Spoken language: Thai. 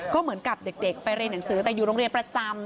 ก็เหมือนกับเด็กไปเรียนหนังสือแต่อยู่โรงเรียนประจำ